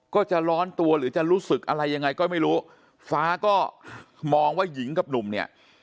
ก็จะร้อนตัวหรือจะรู้สึกอะไรยังไงก็ไม่รู้ฟ้าก็มองว่าหญิงกับหนุ่มเนี่ย